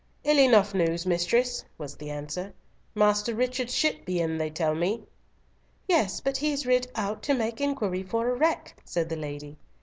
"Ill enough news, mistress," was the answer. "Master Richard's ship be in, they tell me." "Yes, but he is rid out to make inquiry for a wreck," said the lady.